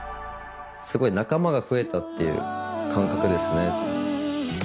すごい仲間が増えたっていう感覚ですね。